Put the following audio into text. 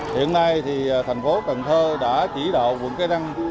hiện nay thì thành phố cần thơ đã chỉ đạo quận cái răng